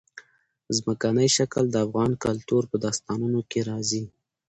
ځمکنی شکل د افغان کلتور په داستانونو کې راځي.